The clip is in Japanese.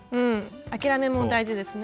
諦めも大事ですね。